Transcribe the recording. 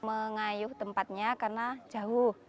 mengayuh tempatnya karena jauh